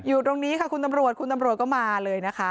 อยู่ตรงนี้ค่ะคุณตำรวจคุณตำรวจก็มาเลยนะคะ